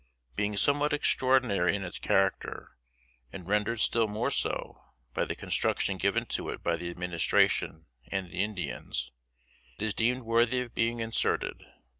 Being somewhat extraordinary in its character, and rendered still more so by the construction given to it by the Administration and the Indians, it is deemed worthy of being inserted.